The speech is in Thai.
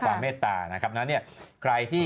ความเมตตานะครับใครที่